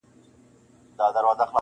• پلار په دوی او دوی په پلار هوسېدلې -